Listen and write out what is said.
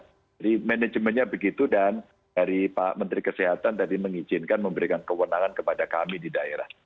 jadi manajemennya begitu dan dari pak menteri kesehatan tadi mengizinkan memberikan kewenangan kepada kami di daerah